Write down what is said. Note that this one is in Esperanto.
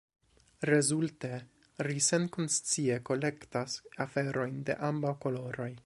Rezulte, ri senkonscie kolektas aferojn de ambaŭ koloroj.